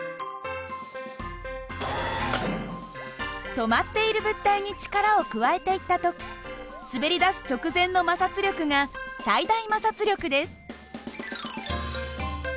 止まっている物体に力を加えていった時滑りだす直前の摩擦力が最大摩擦力です。